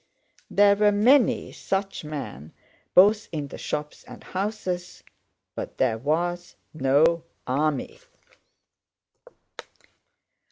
There were many such men both in the shops and houses—but there was no army.